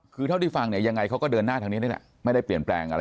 คือเท่าที่ฟังเนี่ยยังไงเขาก็เดินหน้าทางนี้นี่แหละไม่ได้เปลี่ยนแปลงอะไร